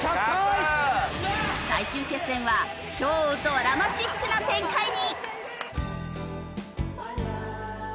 最終決戦は超ドラマチックな展開に！